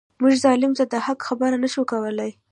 موږ ظالم ته د حق خبره نه شو کولای.